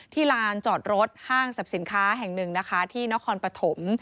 ลานจอดรถห้างสรรพสินค้าแห่งหนึ่งนะคะที่นครปฐม